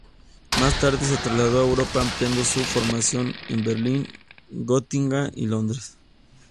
Más tarde se trasladó a Europa, ampliando su formación en Berlín, Gotinga y Londres.